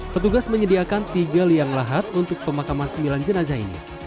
petugas menyediakan tiga liang lahat untuk pemakaman sembilan jenazah ini